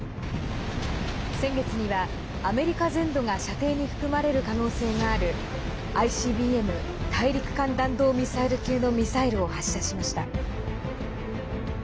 先月にはアメリカ全土が射程に含まれる可能性があるＩＣＢＭ＝大陸間弾道ミサイル級のミサイルを発射しました。